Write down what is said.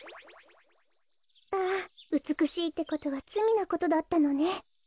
あうつくしいってことはつみなことだったのね。